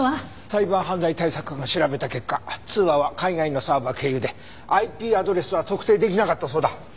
サイバー犯罪対策課が調べた結果通話は海外のサーバー経由でＩＰアドレスは特定できなかったそうだ。